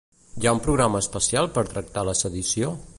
Hi ha un programa especial per tractar la sedició?